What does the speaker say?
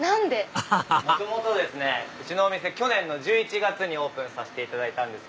アハハハうちのお店去年の１１月にオープンさせていただいたんです。